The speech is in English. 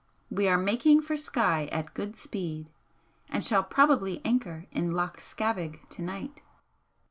We are making for Skye at good speed and shall probably anchor in Loch Scavaig to night.